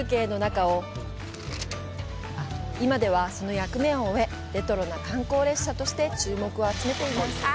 今ではその役目を終え、レトロな観光列車として注目を集めています。